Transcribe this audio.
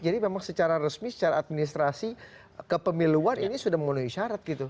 jadi memang secara resmi secara administrasi kepemiluan ini sudah menggunakan syarat gitu